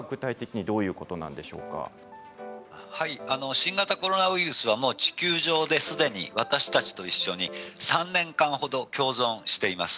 新型コロナウイルスは地球上ですでに私たちと一緒に３年間程、共存しています。